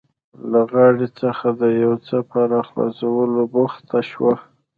له غاړې څخه د یو څه په راخلاصولو بوخته شوه.